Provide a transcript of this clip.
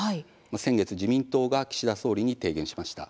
先月、自民党が岸田総理に提言しました。